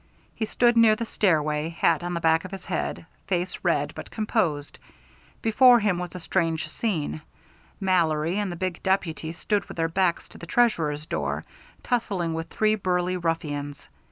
He stood near the stairway, hat on the back of his head, face red but composed. Before him was a strange scene. Mallory and the big deputy stood with their backs to the Treasurer's door, tussling with three burly ruffians.